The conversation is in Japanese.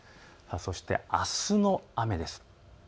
そしてあすの雨です。